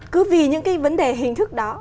cứ vì những cái vấn đề hình thức đó